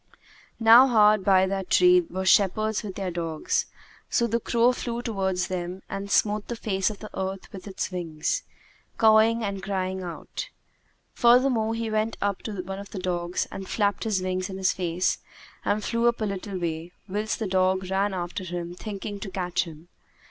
'" Now hard by that tree were shepherds with their dogs; so the crow flew towards them and smote the face of the earth with his wings, cawing and crying out. Furthermore he went up to one of the dogs and flapped his wings in his face and flew up a little way, whilst the dog ran after him thinking to catch him.